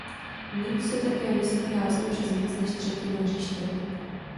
Míč se také nesmí házet přes více než třetinu hřiště.